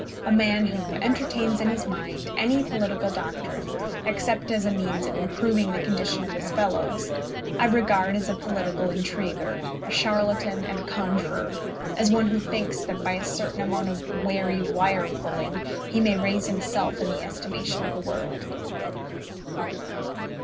A man who entertains in his mind any political doctrine, except as a means of improving the condition of his fellows, I regard as a political intriguer, a charlatan, and a conjurer, as one who thinks that, by a certain amount of wary wire pulling, he may raise himself in the estimation of the world.